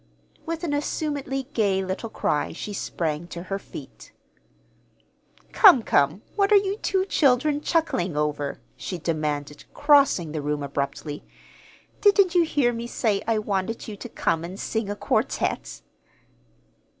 With an assumedly gay little cry she sprang to her feet. "Come, come, what are you two children chuckling over?" she demanded, crossing the room abruptly. "Didn't you hear me say I wanted you to come and sing a quartet?"